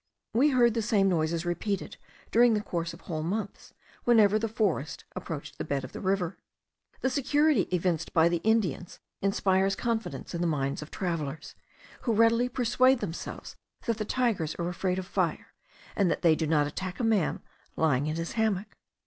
We heard the same noises repeated, during the course of whole months, whenever the forest approached the bed of the river. The security evinced by the Indians inspires confidence in the minds of travellers, who readily persuade themselves that the tigers are afraid of fire, and that they do not attack a man lying in his hammock.